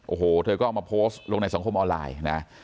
โอ้โหเธอก็เอามาโพสต์ลงในสังคมออนไลน์นะ